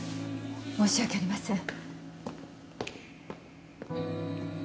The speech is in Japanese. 申し訳ありません。